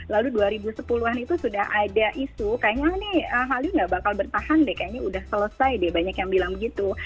lalu dua ribu sepuluh an itu sudah ada isu kayaknya nih hallyu nggak bakal bertahan deh kayaknya udah selesai deh banyak yang bilang begitu